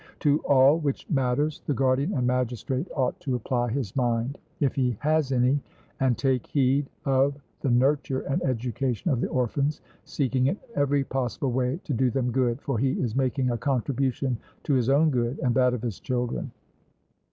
To all which matters the guardian and magistrate ought to apply his mind, if he has any, and take heed of the nurture and education of the orphans, seeking in every possible way to do them good, for he is making a contribution to his own good and that of his children.